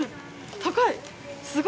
高い！